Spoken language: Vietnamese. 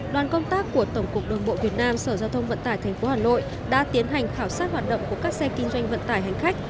đoàn công tác của tổng cục đường bộ việt nam sở giao thông vận tải tp hà nội đã tiến hành khảo sát hoạt động của các xe kinh doanh vận tải hành khách